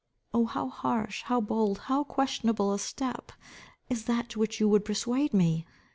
Oh, how harsh, how bold, how questionable a step, is that to which you would persuade me!